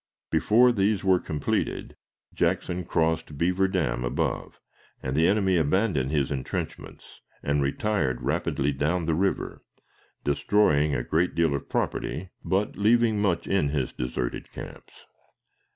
Before these were completed, Jackson crossed Beaver Dam above, and the enemy abandoned his intrenchments, and retired rapidly down the river, destroying a great deal of property, but leaving much in his deserted camps.